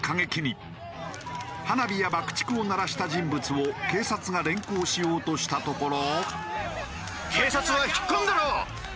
花火や爆竹を鳴らした人物を警察が連行しようとしたところ。